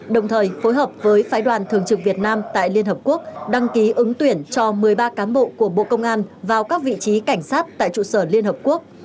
đồng thời phối hợp với phái đoàn thường trực việt nam tại liên hợp quốc đăng ký ứng tuyển cho một mươi ba cán bộ của bộ công an vào các vị trí cảnh sát tại trụ sở liên hợp quốc